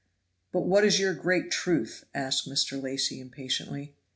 "But what is your great truth?" asked Mr. Lacy impatiently.